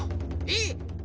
えっ？